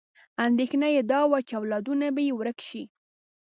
اندېښنه یې دا وه چې اولادونه به یې ورک شي.